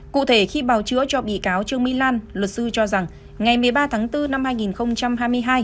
cụ thể khi bào chữa cho bị cáo trương mỹ lan luật sư cho rằng ngày một mươi ba tháng bốn năm hai nghìn hai mươi hai